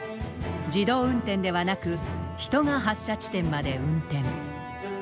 自動運転ではなく人が発射地点まで運転。